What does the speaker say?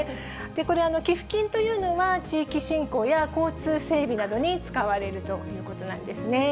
これ、寄付金というのは、地域振興や交通整備などに使われるということなんですね。